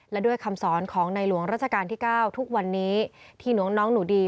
และด้วยคำสอนของในหลวงราชการที่๙ทุกวันนี้ที่หลวงน้องหนูดี